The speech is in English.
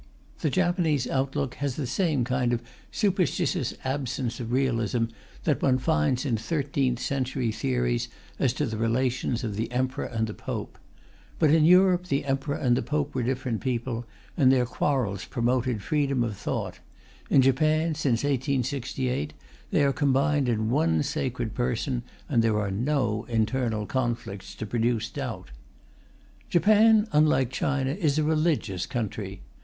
The Japanese outlook has the same kind of superstitious absence of realism that one finds in thirteenth century theories as to the relations of the Emperor and the Pope. But in Europe the Emperor and the Pope were different people, and their quarrels promoted freedom of thought; in Japan, since 1868, they are combined in one sacred person, and there are no internal conflicts to produce doubt. Japan, unlike China, is a religious country.